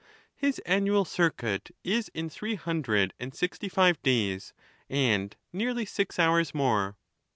His annual circuit is in three hundred and sixty five days, and nearly six hours more.'